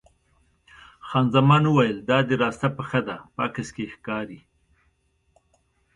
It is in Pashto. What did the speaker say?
خان زمان وویل: دا دې راسته پښه ده، په عکس کې یې ښکاري.